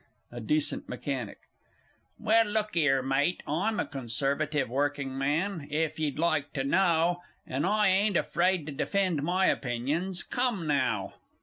A DECENT MECHANIC. Well, look 'ere, mate, I'm a Conservative Working Man, if ye'd like to know, and I ain't afraid to defend my opinions. Come now!